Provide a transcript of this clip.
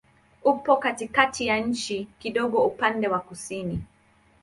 Upo katikati ya nchi, kidogo upande wa kusini.